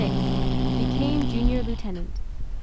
Became junior lieutenant.